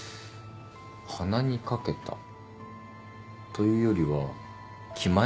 鼻に掛けたというよりは気前が良かった。